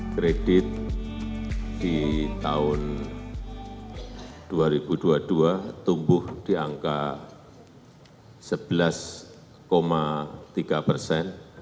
kredit di tahun dua ribu dua puluh dua tumbuh di angka sebelas tiga persen